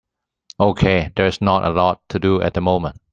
Okay, there is not a lot to do at the moment.